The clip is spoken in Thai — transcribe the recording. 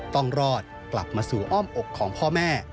ต้องรอดกลับมาสู่อ้อมอกของพ่อแม่